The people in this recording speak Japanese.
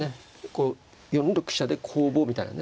こう４六飛車で攻防みたいなね。